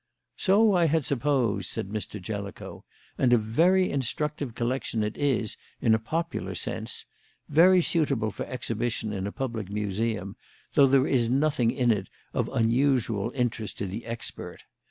"So I had supposed," said Mr. Jellicoe. "And a very instructive collection it is, in a popular sense; very suitable for exhibition in a public museum, though there is nothing in it of unusual interest to the expert.